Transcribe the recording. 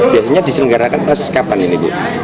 biasanya diselenggarakan pas kapan ini